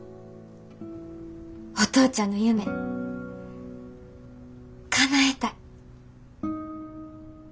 お父ちゃんの夢かなえたい。